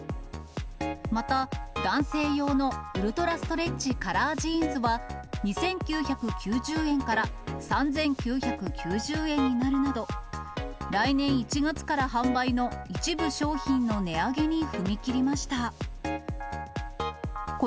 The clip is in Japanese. また男性用のウルトラストレッチカラージーンズは、２９９０円から３９９０円になるなど、来年１月から販売の一部商品の値上げに踏み切りました。